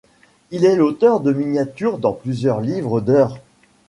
Il est l'auteur de miniatures dans plusieurs livres d'heures.